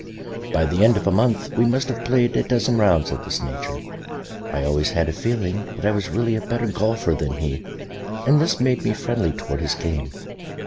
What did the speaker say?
By the end of a month we must have played a dozen rounds of this nature. I always had a feeling that I was really a better golfer than he, and this made me friendly towards his game.